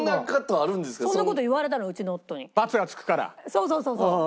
そうそうそうそう。